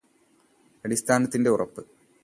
അടിസ്ഥാനത്തിന്റെ ഉറപ്പ്